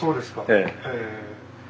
ええ。